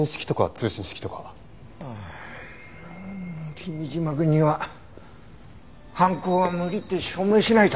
君嶋くんには犯行は無理って証明しないと。